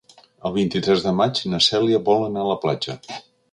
El vint-i-tres de maig na Cèlia vol anar a la platja.